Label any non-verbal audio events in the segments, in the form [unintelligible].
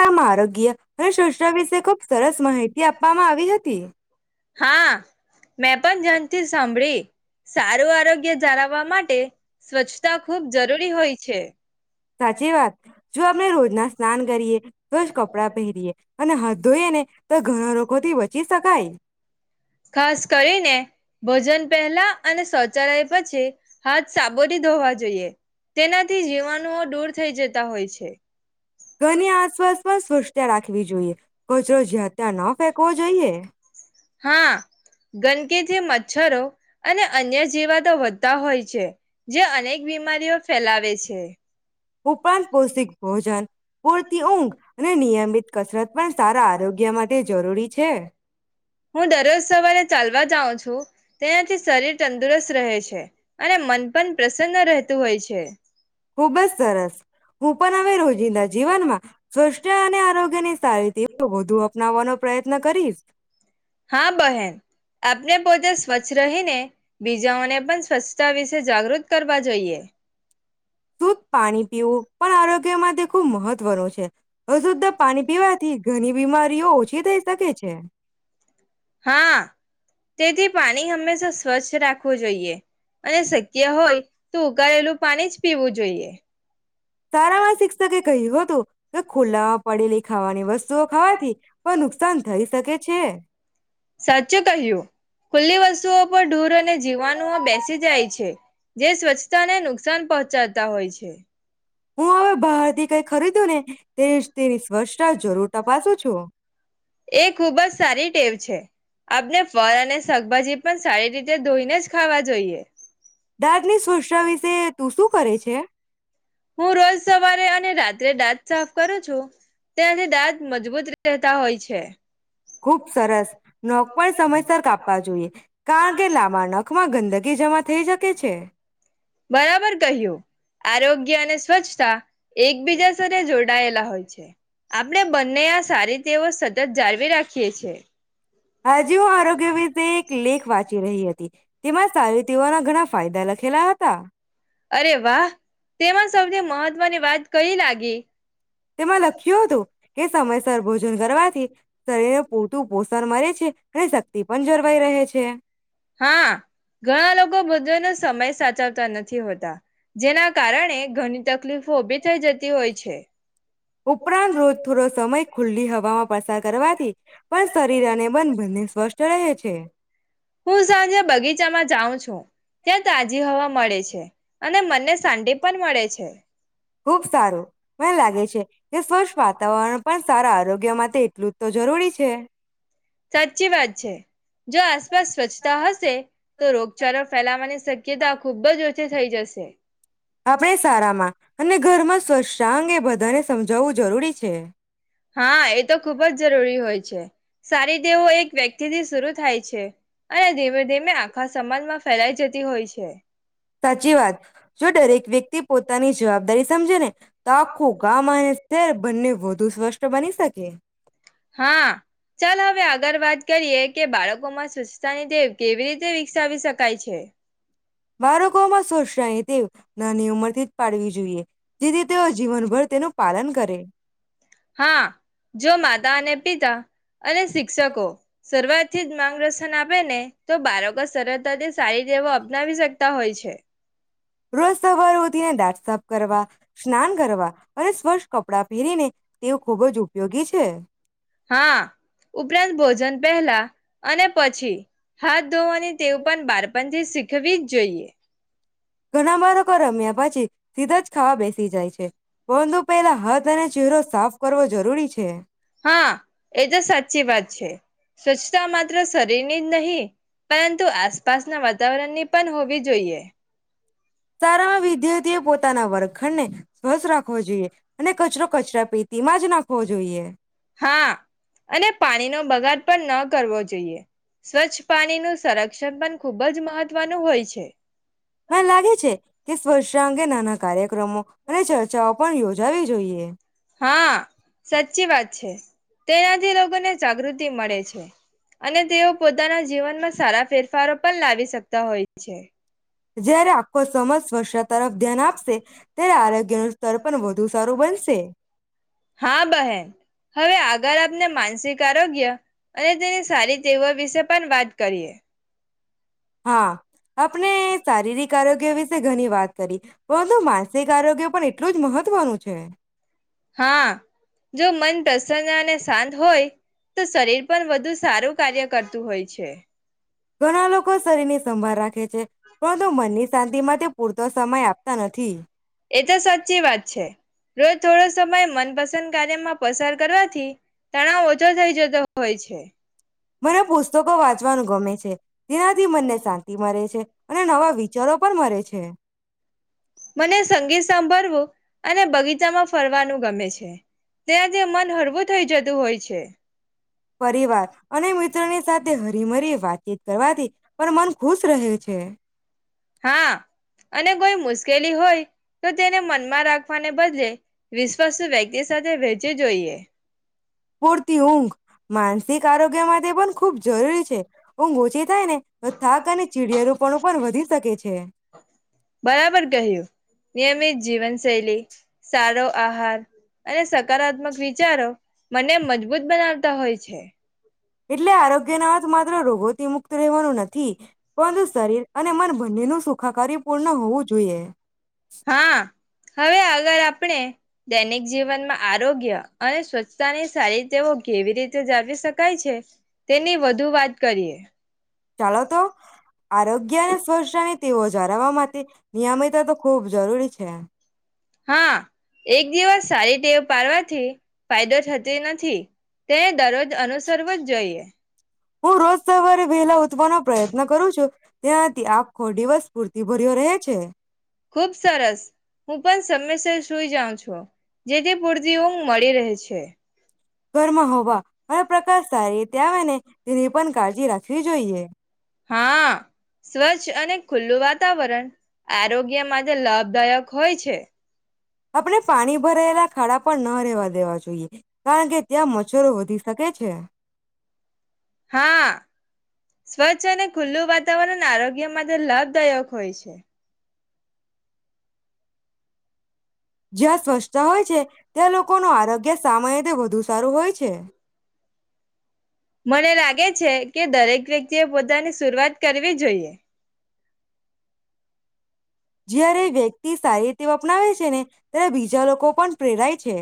આમ આરોગ્ય અને સ્વાસ્થ્ય વિશે ખુબ સરસ માહિતી આપવામાં આવી હતી. હતી. હા મેં પણ ધ્યાનથી સાંભળી સારું આર કે જાળવવા માટે સ્વચ્છતા ખૂબ જરૂરી હોય છે. સાચી વાત. જો આપણે રોજના સ્નાન કરીએ, રોજ કપડાં પહેરીયએ અને હાથ ધોઈએ ને તો ઘણા રોગોથી બચી શકાય. ખાસ કરીને ભોજન પહેલા પલા અને શૌચાલય પછી. હાથ સાબો થી ધોવા જોઈએ તેનાથી જીવાણુઓ દૂર થઈ જતા હોય છે. ઘરની આસપાસ પણ સ્વચ્છતા રાખવી જોઈએ. કચરો જ્યાં ત્યાં ન ફેંકવો જોઈએ. હા ગંદકીથી મચ્છરો અને અન્ય જીવાતો વધતા હોય છે. જે અનેક બીમારીઓ ફેલાવે છે. ઉપરાંત પૌષ્ટિક ભોજન પૂરતી ઊંઘ અને નિયમિત કસરત પણ સારા આરોગ્ય માટે જરૂરી છે. જાઉ છું. તેનાથી શરીર તંદુરસ્ત રહે છે. અને મન પણ પ્રસન્ન રહેતું હોય છે. હું બસ સરસ હું પણ હવે રોજિંદા જીવનમાં સ્વષ અને આરોગ્ય ની સારી વધુ અપનાવવાનો પ્રયત્ન કરીશ હા બહેન આપણે પોતે સ્વચ્છ રહીને બીજાઓને પણ સ્વચ્છતા વિશે જાગૃત કરવા જોઈએ શુ્ પાણી પીવું પણ આરોગ્ય માંે ખુબ મહત્વનું છે હશુદ્ધા પાણી પીવાથી ઘણી બીમારીઓ ઓછી થઈ શકે છે હા તેથી પાણી હંમેશા સ્વચ્છ રાખવું જોઈએ અને શક્ય હોય તો ઘરેલું પાણી જ પીવું જોઈએ સારામાં શિક્ષકે કહ્યું હતું કે ખુલ્લામાં પડેલી ખાવાની વસ્તુઓ ખાવાથી કોઈ નુકસાન થઈ શકે છે પશુઓ પર ૂર અને જીવાણુઓ બેસી જાય છે જે સ્વચ્છતાને નુકસાન પહોંચાડતા હોય છે હું હવે બહાર થી કઈ ખરીદ્યું ને તે જ તેની સ્ વર્ષા જરૂર તપાસું છું એ ખૂબ જ સારી ટેવ છે આપને ફળ અને શાકભાજી પણ સારી રીતે ધોઈને જ ખાવા જોઈએ દાદ ની શષા વિશે તું શું કરે છે હું રોજ સવારે અને રાત્રે દાંત સાફ કરું છું ત્યાંથી દાત મજબૂત ર રહેતા હોય છે ખુબ સરસ નખ પણ સમયસર કાપવા જોઈએ કારણ કે લાંબા નખમાં ગંદકીી જમા થઈ શકે છે બરાબર કહ્યું આરોગ્ય અને સ્વચ્છતા એકબીજા સાથે જોડાયેલા હોય છે આપણે બંને આ સારી તેઓ સતત જાળવી રાખીએ છે હજી હું આરોગ્ય વિશે એક લેખ વાંચી રહી હતી તેમાં સારી તેઓના ઘણા ફાયદા બધા લખેલા હતા અરે વાહ તેમાં સૌથી મહત્વની વાત કઈ લાગી તેમાં લખ્યું હતું કે સમયસર ભોજન કરવાથી શરીર પૂરતું પોષણ મરે છે અને શક્તિ પણ જળવાઈ રહે છે હા ઘણા લોકો ભોજનનો સમય સાચવતા નથી હોતા જેના કારણે ઘણી તકલીફો ઉભી થઈ જતી હોય છે ઉપરાંત રોજ થોડો સમય ખુલ્લી હ [unintelligible] પસાર કરવાથી પણ શરીર અને બંધ બને સ્વસ્થ રહે છે હું સાંજે બગીચામાં જાઉં છું ત્યાં તાજી હવા મળે છે અને મનને શાંતિ પણ મળે છે ખુબ સારું મને લાગે છે કે સ્વચ્છ વાતાવરણ પણ સારા આરોગ્ય માટે એટલું જ તો જરૂરી છે. સાચી વાત છે જોસ સ્વચ્છતા હશે તો રોગચાળો ફેલાવાની શક્યતા ખુબ જ થઈ જશે આપણે સારામાં અને ઘરમાં સ્વચ્છતા અંગે બધાને સમજાવવું જરૂરી છે હા એ તો ખુબ જ જરૂરી હોય છે સારી દેવો એક વ્યક્તિથી શરુ થાય છે અને ધીમે ધીમે આખા સમાજમાં ફેલાઈ જતી હોય છે સાચી વાત જો દરેક વ્યક્તિ પોતાની જવાબદારી સમજે ને તો આખું ગામ અને શહેર બંને વધુ સ્વષ બની શકે હા ચાલ હવે આગળ વાત કરીએ કે બાળકો માં સ્વસ્તાની તેેવ કેવી રીતે વિકસાવી શકાય છે વાળકોમાં શોષ્યા તે નાની ઉંમરથી જ પાડવી જોઈએ. જેથી તેઓ જીવનભર તેનું પાલન કરે. હા જો માતા અને પિતા અને શિક્ષકો શરૂઆત થી માંગ રસન આપે ને તો બાળકો સરળતાથી સારી ટેવો અપનાવી શકતા હોય છે. રોજ સવાર ઉધીને દાંત સાફ કરવા, સ્નાન કરવા અને સ્વચ્છ કપડાં પહેરીને તેઓ ખૂબ જ ઉપયોગી છે. હા ઉપરાંત ભોજન પહેલા અને પછી હાથ ધોવાની ટેવ પણ બાળપણ થી શીખવી જ જોઈએ. ઘણા બારકો રમ્યા પછી સીધા જ ખાવા બેસી જાય છે. બોંધુ પહેલા હાથ અને ચહેરો સાફ કરવો જરૂરી છે. હા એ તો સાચી વાત છે, સ્વચ્છતા માત્ર શરીરની જ નહીં પરંતુ આસપાસના વાતાવરણની પણ હોવી જોઈએ. સારામાં વિદ્યાર્થીઓ પોતાના વર્ખણને સ્વસ્થ રાખવો જોઈએ, અને કચરો કચરા પેટીમાં જ નાખવો જોઈએ. હા અને પાણીનો બગાડ પણ ન કરવો જોઈએ, સ્વચ્છ પાણી ન સંરક્ષણ પણ ખૂબ જ મહત્વનું હોય છે. મને લાગે છે કે સ્વચ્છતા અંગે નાના કાર્યક્રમો અને ચર્ચાઓ પણ યોજી જોઈએ. હા સાચી વાત છે, તેનાથી લોકોને જાગૃતિ મળે છે. અને તેઓ પોતાના જીવનમાં સ સારા ફેરફારો પણ લાવી શકતા હોય છે. જયારે આખો સમાજ સ્વ તરફ ધ્યાન આપશે, ત્યારે આરોગ્યનું સ્તર પણ વધુ સારું બનશે. અગર આપને માનસિક આરોગ્ય અને તેની સારી તેવો વિશે પણ વાત કરીએ. હા આપણે શારીરિક આરોગ્ય વિશે ઘણી વાત કરી, પરંતુ માનસિક આરોગ્ય પણ એટલું જ મહત્વનું છે. હા જો મન પ્રસન્ન અને શાંત હોય તો શરીર પણ વધુ સારું કાર્ય કરતું હોય છે. ઘણા લોકો શરીર ની સંભાળ રાખે છે, પરંતુ મનની શાંતિમાં પૂર તો સમય આપતા નથી. એ તો સાચી વાત છે, રોજ થોડો સમય મનપસંદ કાર્યમાં પસાર કરવાથી તણાવ ઓછો થઈ જતો હોય છે. મને પુસ્તકો વાંચવાનું ગમે છે, તેનાથી મને શાંતિ મળે છે અને નવા વિચારો પણ મરે છે. મને સંગીત સાંભળવું અને બગીચામાં ફરવાનું ગમે છે, ત્યાંથી મન હળવું થઈ જતું હોય છે. પરિવાર અને મિત્રોની સાથે હરી મરી વાત [unintelligible] કરવાથી પણ મન ખુશ રહે છે. હા અને કોઈ મુશ્કેલી હોય તો તેને મનમાં રાખવાને બદલે વિશ્વાસુ વ્યક્તિ સાથે વહેચી જોઈએ. પૂરતી ઊંઘ માનસિક આરોગ્ય માટે પણ ખૂબ જરૂરી છે. ઊંઘ ઓછી થાય ને તો થાક અને ચીડિયા [inaudible] [inaudible] [unintelligible] શરીર અને મન બન્ને [unintelligible] પૂર્ણ હોવું જોઈએ. હા. હવે અગર આપણે દૈનિક જીવનમાં આરોગ્ય અને સ્વચ્છતાની સારી તેઓ કેવી રીતે જાવી શકાય છે, ચાલો તો. [inaudible] હા એક દિવસ સાારી ટેવ પારવા [inaudible] હું રોજ સવારે વેલા ઉઠવાનો પ્રયત્ન કરું છું. ત્યાંથી આખો દિવસ પૂર ખુબ સરસ હું પણ સમયસર સુઈ જાવં છો જેથી પૂરતી ઊંઘ મળી રહે છે. ઘરમાં હોવા અને પ્રકાશ થાય [unintelligible] તેની પણ કાળજી રાખવી જોઈએ. હા સ્વચ્છ અને ખુલ્લું વાતાવરણ આરોગ્ય માટે લાભદાયક હોય છે. આપણે પાણી ભરાયેલા ખાડા પણ ન રહેેવા દેવા જોઈએ. કારણ કે ત્યાં મચ્છરો વધી શકે. છે હા સ્વચ્છ અને ખુલ્લું વાતાવરણ આરોગ્ય માટે લાભદાયક હોય છે. જ્યાં સ્વચ્છતા હોય છે. ત્યાં લોકોનું આરોગ્ય [unintelligible] રીતે વધુ સારું હોય છે. મને લાગે છે. કે દરેક વ્યક્તિ એ પોતાની [unintelligible] કરવી જોઈએ. [unintelligible] વ્યક્તિ સારી રીતે અપનાવે છે. ને ત્યારે બીજા લોકો પણ પ્રેરાય છે.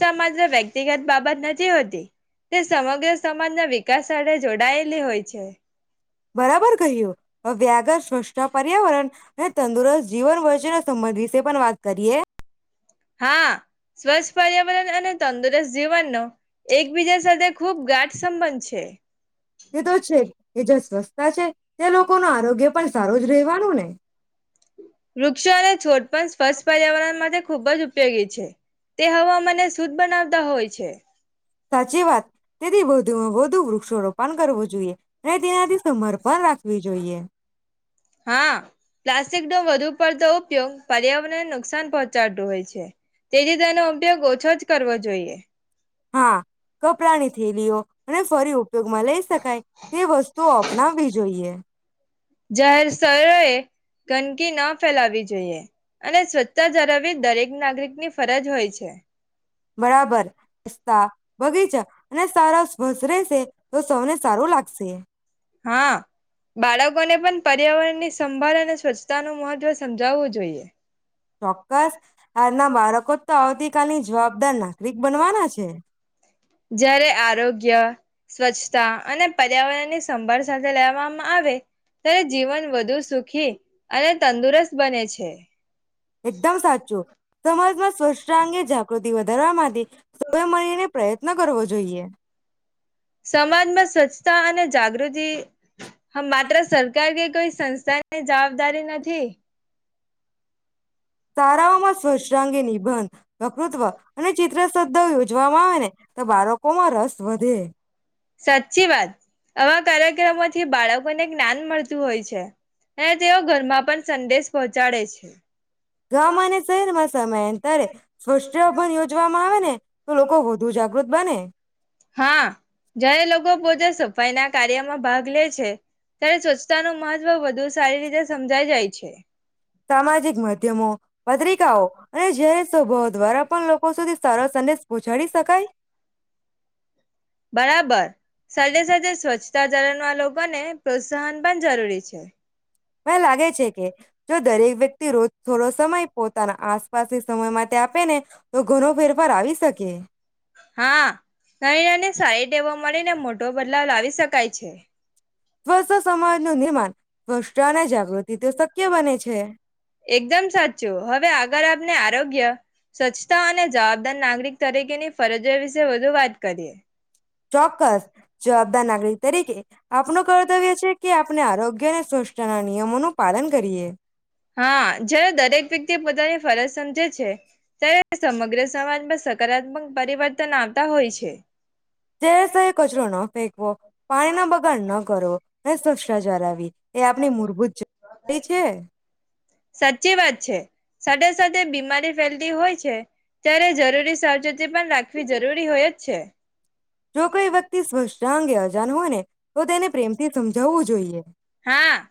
સમાજ વ્યક્તિગત બાબત નથી હોતી તે સમગ્ર સમાજના વિકાસ સાથે જોડાયેલી હોય છે. બરાબર કહીયો વ્યાઘ્ર સ્વચ્છ પર્યાવરણ અને તંદુરસ્ત જીવન વ રાજ્યના સંબંધ વિશે પણ વાત કરીએ હા સ્વચ્છ પર્યાવરણ અને તંદુરસ્ત જીવનનો એકબીજા સાથે ખૂબ ગાઢ સંબંધ છે તે તો છે કે જ્યાં સ્વચસ્થતા છે ત્યાં લોકો ન આરોગ્ય પણ સારું જ રહેવાનું ને વૃક્ષો અને છોડ પણ સ્વચ્છ પર્યાવરણ માટે ખુબ જ ઉપયોગી છે તે હવામાને શુદ્ધ બનાવતા હોય છે સાચી વાત તેથી વધુ વ વૃક્ષોોપણ કરવું જોઈએ અને તેનાથી સમર્પણ રાખવી જોઈએ હા પ્લાસ્ટિક નો વધુ પડતો ઉપયોગ પર્યાવરણને નુકસાન પહોંચાડતું હોય છે તેથી તેનો ઉપયોગ ઓછો જ કરવો જોઈએ હા કપડાની થેલીઓ અને ફરી ઉપયોગમાં લઈ શકાય તે વસ્તુઓ અપનાવવી જોઈએ જાહેર સ્થરોએ ગંદકી ના ફેલાવી જોઈએ અને સ્વચ્છતા ધળવી દરેક નાગરિકની ફરજ હોય છે બરાબર રસ્તા બગીચા અને સારા સ્વસ રહેશે તો સૌને સારું લાગશે હા બાળકોને પણ પર્યાવરણ ની સંભાળ અને સ્વચ્છતા નું મહત્વ સમજાવવું જોઈએ ચોક્કસ આજના બાળકો તો આવતી કલની જવાબદાર નાગરિક બનવાના છે જયારે આરોગ્ય સ્વચ્છતા અને પર્યાવરણ ની સંભાળ સાથે લેવામાં આવે ત્યારે જીવન વધુ સુખી અને તંદુરસ્ત બને છે એકદમ સાચું સમાજમાં સ્ ંગે જાગૃતિ વધારવા માટે સ એ મળીને પ્રયત્ન કરવો જોઈએ સમાજમાં સ્વચ્છતા અને જાગૃતિ હ માત્ર સરકારી કોઈ સંસ્થા ની જવાબદારી નથી તારાઓમાં સ્વચ્છતા અંગે નિબંધ વકૃત્વ અને ચિત્ર શદ્ધા યોજવામાં આવે ને તો બાળકોમાં રસ વધે સાચી વાત આવા કાર્યક્રમોથી બાળકોને જ્ઞાન મળતું હોય છે અને તેઓ ઘરમાં પણ સંદેશ પહોંચાડે છે ગામાંને ચર મસ્ સમય એંત્યારે સ્વષભન યોજવામાં આવે ને તો લોકો વધુ જાગૃત બને સફાઈ ના કાર્યમાં ભાગ લે છે ત્યારે સ્વચ્છતા ન મહત્વ વધુ સારી રીતે સમજાય જાય છે સામાજિક માધ્યમો પત્રિકાઓ અને જેને સ્વભાવ દ્વારા લોકો સુી સરસ અનેનેૂછ જડી શકાય બરાબર સજે સે સ્વચ્છતા જલન વા બને પ્રોત્સાહન પણ જરૂરી છે મે લાગે છે કે જો દરેક વ્યક્તિ રોજ થોડો સમય પોતાના આસપાસ સમય માટે આપે ને તો ઘણ ફેરફાર આવી શકે એવ મળીને મોટો બદલાવ લાવી શકાય છે સ્ તો સમાજ નિર્માણ સ્પષ્ટ અને જાગૃતિ તો શક્ય બને છે. એકદમ સાચું હવે આગળ આપને આ આરોગ્ય સ્વચ્છતા અને જવાબદાર નાગરિક તરીકેની ફરજ વિશે વધુ વાત કરીએ ચોક્કસ જવાબદાર નાગરિક તરીકે આપનું કર્તવ્ય છે કે આપણે આરોગ્ય અને સ્વચ્છના નિયમોનું પાલન કરીએ હા જય્યારે દરેક વ્યક્તિ પોતાની ફરજ સમજે છે ત્યારે સમગ્ર સમાજમાં સકારાત્મક પરિવર્તન આવતા હોય છે જેસ કચરો ના ફેંકવો પાણી ના બગાડ ના કરો મે સોચા જારા વિી એ આપણી મૂળભૂત જ છે સાચી વાત છે સાથે સાથે બીમારી ફેલતી હોય છે ત્યારે જરૂરી સાવચેતી પણ રાખવી જરૂરી હોય જ છે જો કોઈ વ્યક્તિ સ્પષ્ટંગે અજાન હોય ને તો તેને પ્રેમથી સમજાવવું જોઈએ. હા.